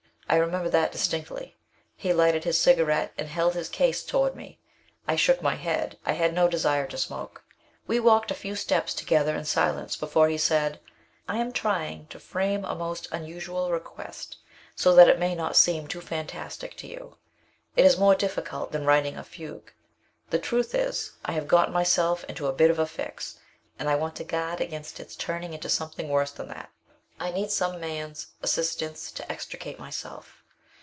I remember that distinctly. He lighted his cigarette, and held his case toward me. I shook my head. I had no desire to smoke. We walked a few steps together in silence before he said: "I am trying to frame a most unusual request so that it may not seem too fantastic to you. It is more difficult than writing a fugue. The truth is I have gotten myself into a bit of a fix and I want to guard against its turning into something worse than that. I need some man's assistance to extricate myself."